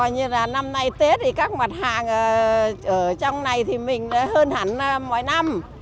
năm nay tết thì các mặt hàng ở trong này thì mình hơn hẳn mỗi năm